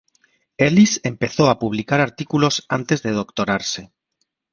Ellis empezó a publicar artículos antes de doctorarse.